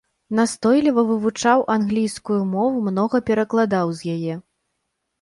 Настойліва вывучаў англійскую мову, многа перакладаў з яе.